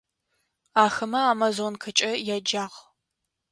Ахэмэ «Амазонкэкӏэ» яджагъ.